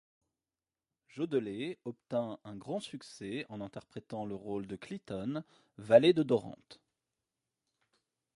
Jodelet obtint un grand succès en interprétant le rôle de Cliton, valet de Dorante.